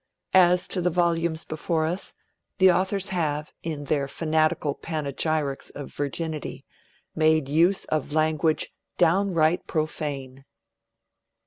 As to the volumes before us, the authors have, in their fanatical panegyrics of virginity, made use of language downright profane.'